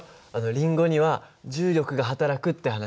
リンゴには重力がはたらくって話。